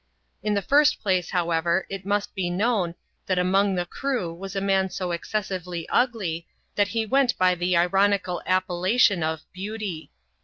In the first place, however, it must be known, that among the crew was a man so excessively ugly, that he went by the ironical appellation of "Beauty."